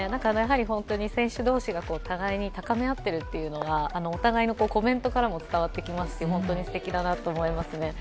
選手同士が互いに高め合っているというのがお互いのコメントからも伝わってきますし、ホントにすてきだなと思います。